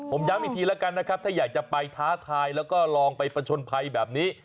ผมย้ำอีกทีแล้วกันนะครับถ้าอยากจะไปท้าทายแล้วก็ลองไปประชนภัยแบบนี้